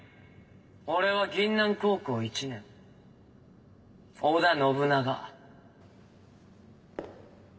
俺は銀杏高校１年織田信長。